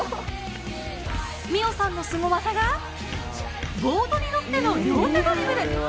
深桜さんのすご技がボードに乗っての両手ドリブル。